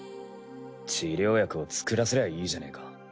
治療薬を作らせりゃいいじゃねえか。